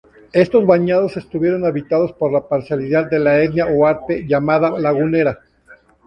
Estos bañados estuvieron habitados por la parcialidad de la etnia huarpe llamada "lagunera".